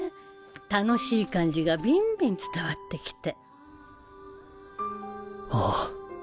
楽しい感じがビンビン伝わってきて。